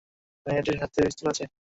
মেয়েটার হাতে পিস্তল আছে।